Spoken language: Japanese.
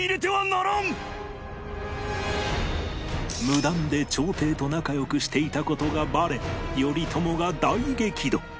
無断で朝廷と仲良くしていた事がばれ頼朝が大激怒